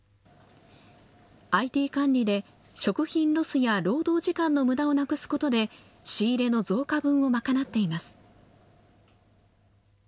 ＩＴ管理で食品ロスや労働時間のむだをなくすことで、仕入れの増加分を賄っています。